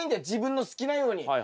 自分の好きなように。